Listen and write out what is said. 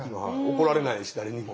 怒られないし誰にも。